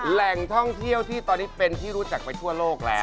แหล่งท่องเที่ยวที่ตอนนี้เป็นที่รู้จักไปทั่วโลกแล้ว